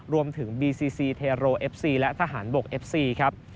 รวมถึงบีซีซีเทโรเอฟซีและทหารบกเอฟซีครับ